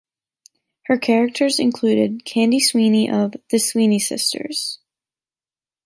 Her characters included Candy Sweeney of "The Sweeney Sisters".